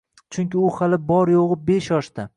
Chunki u hali bor-yo‘g‘i besh yoshda